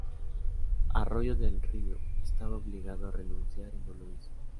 Arroyo del Río estaba obligado a renunciar y no lo hizo.